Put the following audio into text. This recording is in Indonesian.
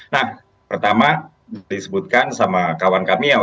nah pertama disebutkan sama kawan kamil